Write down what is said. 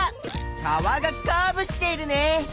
川がカーブしているね！